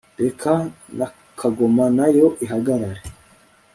reka na kagoma nayo ihagarare